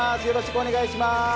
よろしくお願いします。